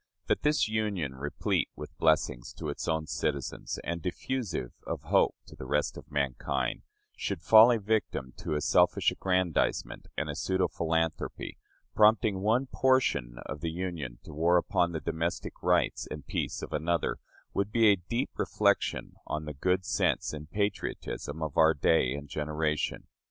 That this Union, replete with blessings to its own citizens, and diffusive of hope to the rest of mankind, should fall a victim to a selfish aggrandizement and a pseudo philanthropy, prompting one portion of the Union to war upon the domestic rights and peace of another, would be a deep reflection on the good sense and patriotism of our day and generation.